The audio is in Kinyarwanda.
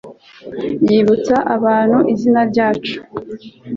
yibutsa abantu izina ryacu